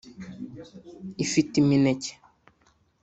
ifite imineke